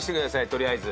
取りあえず。